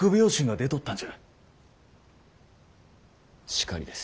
しかりです。